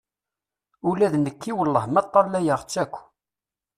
Ula d nekki wellah ma ṭṭalayeɣ-tt akk.